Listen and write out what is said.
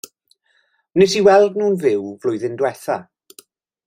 Wnes i weld nhw'n fyw flwyddyn dwytha.